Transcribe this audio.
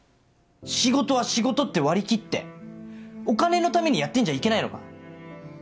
仕事は仕事って割り切ってお金のためにやってんじゃいけないのか？